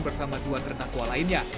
bersama dua terdakwa lainnya